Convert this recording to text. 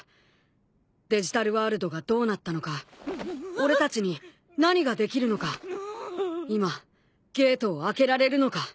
デジタルワールドがどうなったのか俺たちに何ができるのか今ゲートを開けられるのか。